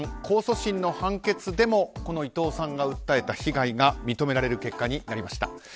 控訴審の判決でも伊藤さんが訴えた被害が認められる結果になりました。